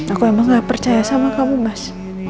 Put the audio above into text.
aku emang gak percaya sama kamu mas